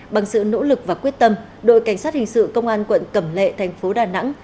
bằng sự nỗ lực và quyết tâm đội cảnh sát hình sự công an quận cẩm lệ thành phố đà nẵng